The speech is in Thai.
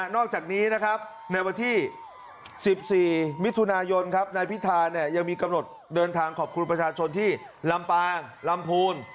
จากนี้นะครับในวันที่๑๔มิถุนายนนายพิธาเนี่ยยังมีกำหนดเดินทางขอบคุณประชาชนที่ลำปางลำพูน